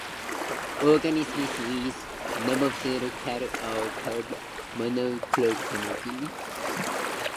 Organisms with monochromacy are called "monochromats".